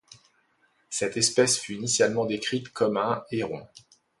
Cette espèce fut initialement décrite comme un héron.